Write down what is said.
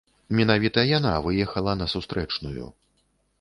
Менавіта яна выехала на сустрэчную.